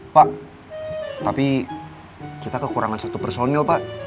pak tapi kita kekurangan satu personil pak